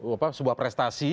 apa sebuah prestasi